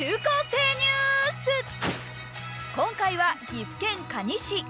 今回は岐阜県可児市。